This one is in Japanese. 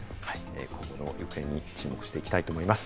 今後の行方に注目していきたいと思います。